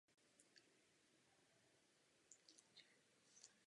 Kromě toho jsou v rezervaci k vidění nejrůznější zástupci běžné lesní fauny.